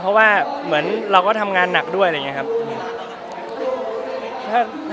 เพราะว่าเหมือนเราก็ทำงานหนักด้วยอะไรอย่างนี้ครับ